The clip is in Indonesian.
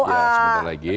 ya sebentar lagi